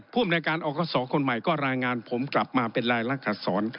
ผู้บรรยาการออกสอบคนใหม่ก็รายงานผมกลับมาเป็นรายลักษณ์อักษร